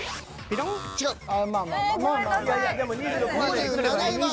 ２７位は。